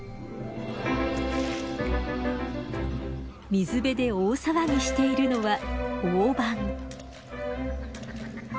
水辺で大騒ぎしているのはオオバン。